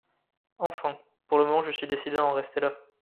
Enfin ! pour le moment, je suis décidée à en rester là !